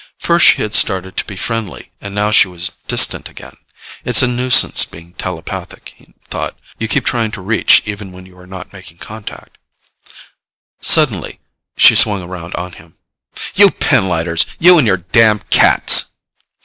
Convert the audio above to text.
First she had started to be friendly and now she was distant again. It's a nuisance being telepathic, he thought. You keep trying to reach even when you are not making contact. Suddenly she swung around on him. "You pinlighters! You and your damn cats!"